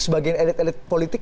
sebagian elit elit politik